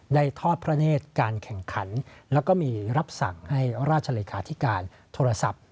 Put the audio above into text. ทอดพระเนธการแข่งขันแล้วก็มีรับสั่งให้ราชเลขาธิการโทรศัพท์